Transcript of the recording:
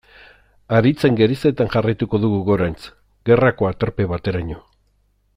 Haritzen gerizetan jarraituko dugu gorantz, gerrako aterpe bateraino.